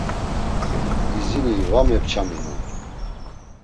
İzini va mepçaminon!